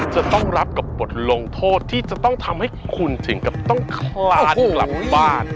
จะต้องรับกับบทลงโทษที่จะต้องทำให้คุณถึงกับต้องคลานกลับบ้าน